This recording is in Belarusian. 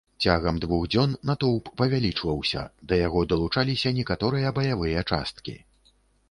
Цягам двух дзён натоўп павялічваўся, да яго далучаліся некаторыя баявыя часткі.